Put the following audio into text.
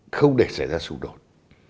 không để xảy ra xung đột